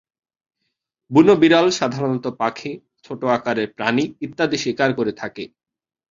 বুনো বিড়াল সাধারণত পাখি, ছোট আকারের প্রাণী ইত্যাদি শিকার করে থাকে।